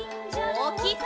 おおきく！